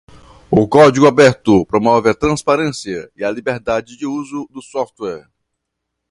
O código aberto promove a transparência e a liberdade de uso do software.